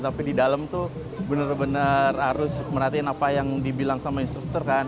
tapi di dalam tuh bener bener harus merhatiin apa yang dibilang sama instruktur kan